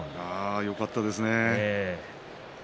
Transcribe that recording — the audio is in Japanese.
よかったですね。